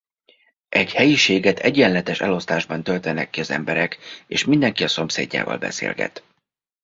Egy helyiséget egyenletes elosztásban töltenek ki az emberek és mindenki a szomszédjával beszélget.